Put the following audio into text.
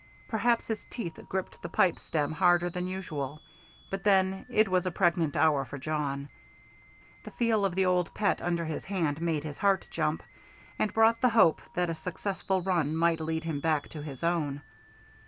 Perhaps his teeth gripped the pipe stem harder than usual, but then, it was a pregnant hour for Jawn. The feel of the old pet under his hand made his heart jump, and brought the hope that a successful run might lead him back to his own.